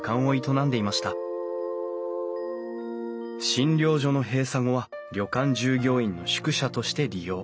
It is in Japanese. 診療所の閉鎖後は旅館従業員の宿舎として利用。